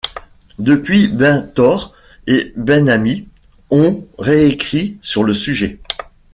Depuis Ben-Tor et Ben-Ami ont réécrit sur le sujet.